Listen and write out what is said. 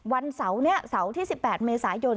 วันเสาร์นี้เสาร์ที่๑๘เมษายน